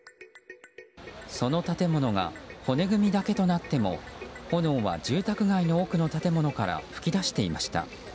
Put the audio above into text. その建物が骨組みだけとなっても炎は住宅街の奥の建物から噴き出していました。